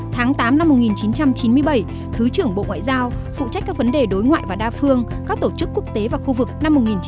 tháng tám năm một nghìn chín trăm chín mươi bảy thứ trưởng bộ ngoại giao phụ trách các vấn đề đối ngoại và đa phương các tổ chức quốc tế và khu vực